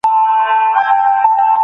رب ج تهدیې تل تر تله خوشحاله